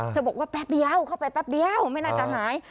ม่อถ้าบอกว่าแป๊บเดียวเข้าไปแป๊บเดียวมันอาจจะหาย